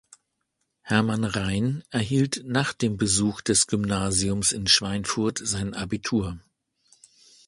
Hermann Rein erhielt nach dem Besuch des Gymnasiums in Schweinfurt sein Abitur.